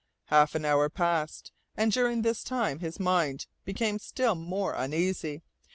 Half an hour passed, and during this time his mind became still more uneasy.